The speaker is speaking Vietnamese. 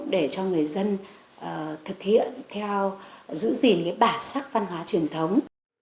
để cho người dân thực hiện theo giữ gìn cái bản sắc văn hóa truyền thống